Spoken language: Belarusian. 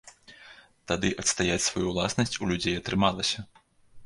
Тады адстаяць сваю ўласнасць у людзей атрымалася.